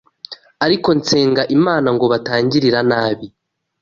ariko nsenga Imana ngo batangirira nabi.